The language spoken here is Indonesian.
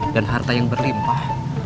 dan harta yang berlimpah